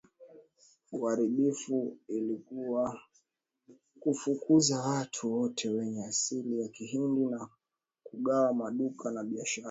uharibifu ilikuwa kufukuza watu wote wenye asili ya Kihindi na kugawa maduka na biashara